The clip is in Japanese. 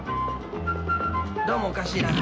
［どうもおかしいな。